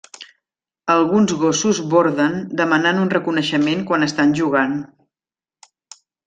Alguns gossos borden demanant un reconeixement quan estan jugant.